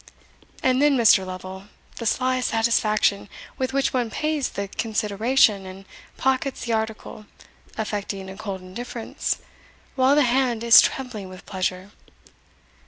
And then, Mr. Lovel, the sly satisfaction with which one pays the consideration, and pockets the article, affecting a cold indifference, while the hand is trembling with pleasure!